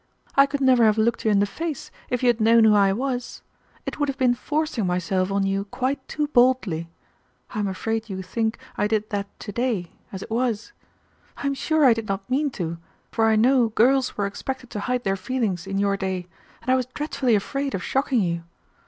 I could never have looked you in the face if you had known who I was. It would have been forcing myself on you quite too boldly. I am afraid you think I did that to day, as it was. I am sure I did not mean to, for I know girls were expected to hide their feelings in your day, and I was dreadfully afraid of shocking you.